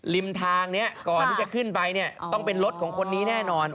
ทางนี้ก่อนที่จะขึ้นไปเนี่ยต้องเป็นรถของคนนี้แน่นอน